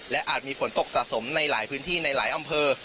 และอาจมีฝนตกสะสมในหลายพื้นที่ในหลายอำเภอ